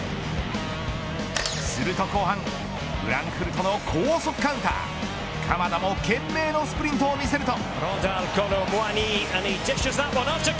すると後半フランクフルトの高速カウンター鎌田も懸命のスプリントを見せます。